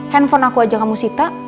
handphone aku aja kamu sita